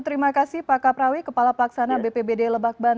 terima kasih pak kaprawi kepala pelaksana bpbd lebak banten